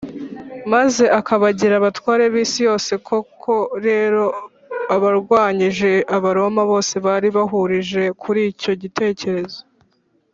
Maze akabagira abatware b isi yose koko rero abarwanyije abaroma bose bari bahurije kuri icyo gitekerezo